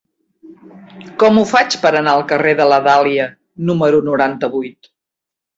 Com ho faig per anar al carrer de la Dàlia número noranta-vuit?